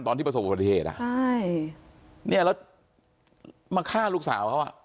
ตอนที่ประสบอุบัติเหตุอ่ะใช่เนี่ยแล้วมาฆ่าลูกสาวเขาอ่ะ